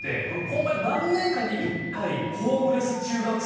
ホンマに何年かに１回「ホームレス中学生！」だけ書いて。